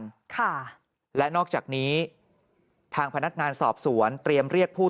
ค่ะและนอกจากนี้ทางพนักงานสอบสวนเตรียมเรียกผู้